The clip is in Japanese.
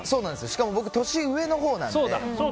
しかも僕、年が上のほうなので。